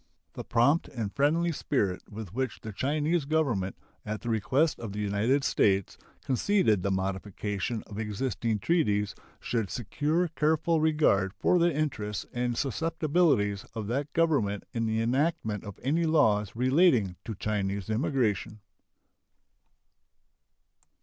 The prompt and friendly spirit with which the Chinese Government, at the request of the United States, conceded the modification of existing treaties should secure careful regard for the interests and susceptibilities of that Government in the enactment of any laws relating to Chinese immigration.